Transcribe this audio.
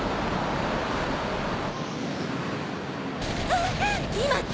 あっ！